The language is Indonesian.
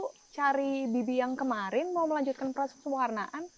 ibu cari bibi yang kemarin mau melanjutkan proses semurnaan